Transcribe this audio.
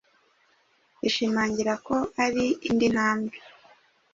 ishimangira ko ari indi ntambwe